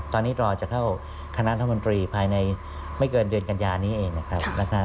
ตอนนี้รอจะเข้าคณะรัฐมนตรีภายในไม่เกินเดือนกัญญานี้เองนะครับ